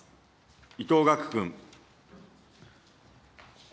伊藤岳君。